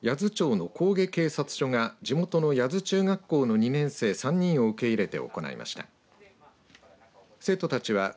この体験学習は八頭町の郡家警察署が地元の八頭中学校の２年生３人を受け入れて行いました。